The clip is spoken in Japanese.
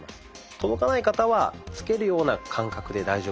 届かない方はつけるような感覚で大丈夫です。